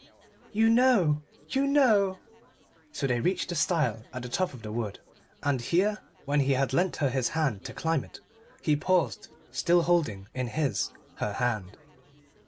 "You know you know!" So they reached the stile at the top of the wood and here, when he had lent her his hand to climb it, he paused, still holding in his her hand.